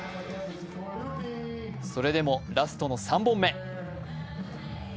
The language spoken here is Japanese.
それでもラストの３本目。